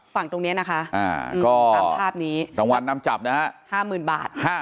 ฝั่งตรงนี้นะคะก็ตามภาพนี้รางวัลนำจับนะฮะ๕๐๐๐บาท